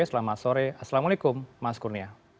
selamat sore assalamualaikum mas kurnia